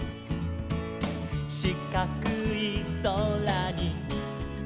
「しかくいそらに」